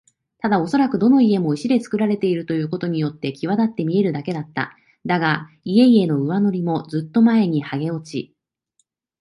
ただおそらくどの家も石でつくられているということによってきわだって見えるだけだった。だが、家々の上塗りもずっと前にはげ落ち、